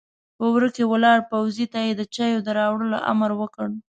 په وره کې ولاړ پوځي ته يې د چايو د راوړلو امر وکړ!